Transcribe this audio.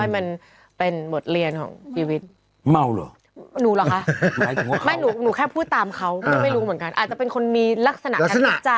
ไม่รู้เหมือนกันอาจจะเป็นคนมีลักษณะการพูดจา